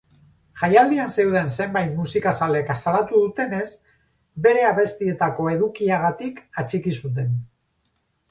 Jaialdian zeuden zenbait musikazalek salatu dutenez, bere abestietako edukiagatik atxiki zuten.